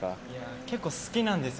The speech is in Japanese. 結構好きなんですよ。